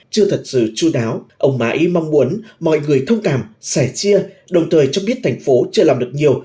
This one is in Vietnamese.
chưa thật sự chú đáo ông mãi mong muốn mọi người thông cảm sẻ chia đồng thời cho biết thành phố chưa làm được nhiều